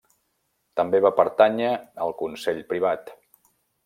També va pertànyer al Consell Privat.